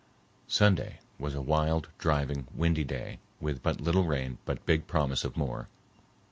Sunday was a wild, driving, windy day with but little rain but big promise of more.